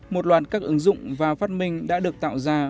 một loạt các ứng dụng và phát minh đã được tạo ra